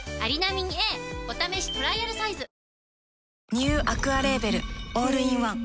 ニューアクアレーベルオールインワン